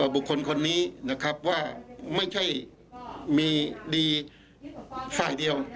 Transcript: บุคคลคนนี้นะครับว่าไม่ใช่มีดีฝ่ายเดียว